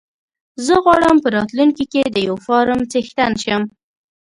زه غواړم په راتلونکي کې د يو فارم څښتن شم.